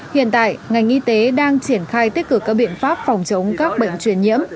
hiện tại ngành y tế đang triển khai tích cực các biện pháp phòng chống các bệnh truyền nhiễm